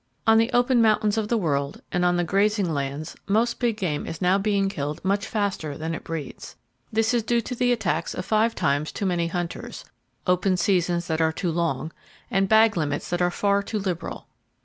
On the open mountains of the world and on the grazing lands most big game is now being killed much faster than it breeds. This is due to the attacks of five times too many hunters, open seasons that are too long, and bag limits that are far too liberal.